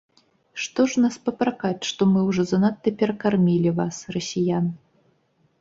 Што ж нас папракаць, што мы ўжо занадта перакармілі вас, расіян.